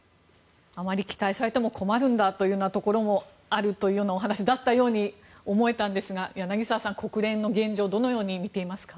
あまり期待されても困るんだというようなところもあるというお話だったように思えたんですが柳澤さん、国連の現状をどのように見ていますか？